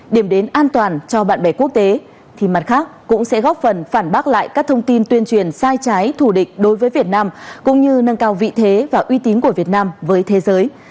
điểm đến an toàn cho bạn bè quốc tế thì mặt khác cũng sẽ góp phần phản bác lại các thông tin tuyên truyền sai trái thù địch đối với việt nam cũng như nâng cao vị thế và uy tín của việt nam với thế giới